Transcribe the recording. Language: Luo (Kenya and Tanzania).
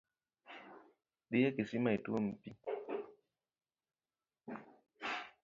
Dhi e kisima ituom pii